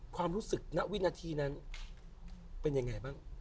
ความรู้สึกณวินาทีนั้นเป็นยังไงบ้าง